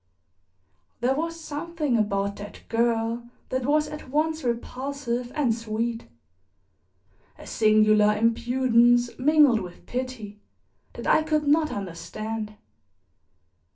There was something about that girl that was at once repulsive and sweet, a singular impudence mingled with pity, that I could not understand.